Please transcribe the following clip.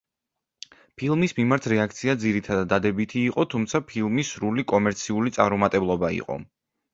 ფილმის მიმართ რეაქცია ძირითადად დადებითი იყო, თუმცა, ფილმი სრული კომერციული წარუმატებლობა იყო.